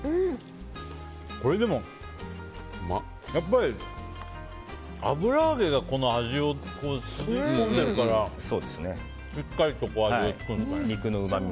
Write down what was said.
これでも、やっぱり油揚げが、この味を吸い込んでいるからしっかりと味がつくんですかね。